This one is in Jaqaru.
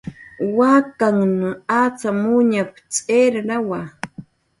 "Waknhan acxamuñp"" tz'irrawa"